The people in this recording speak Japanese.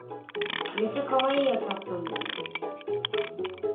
めっちゃかわいいやつあったんだよね。